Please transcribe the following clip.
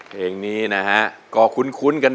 เพลงนี้นะฮะก็คุ้นกันด้วยนะครับ